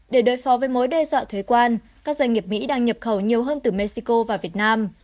để đối phó với mối đe dọa thuế quan các doanh nghiệp mỹ đang nhập khẩu nhiều hơn từ mexico vào việt nam